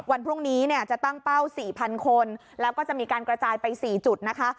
วันพรุ่งนี้เนี่ยจะตั้งเป้า๔๐๐คนแล้วก็จะมีการกระจายไป๔จุดนะคะ